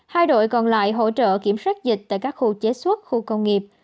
hai đội còn lại hỗ trợ kiểm soát dịch tại các khu chế xuất khu công nghiệp